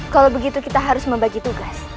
kalau begitu kita harus membagi tugas